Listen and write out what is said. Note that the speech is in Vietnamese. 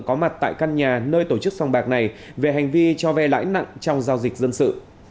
có mặt tại căn nhà nơi tổ chức song bạc này về hành vi cho vay lãi nặng trong giao dịch dân sự